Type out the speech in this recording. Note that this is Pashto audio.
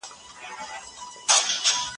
بکا مخکې هم د کتابونو د غلا له امله نيول شوی و.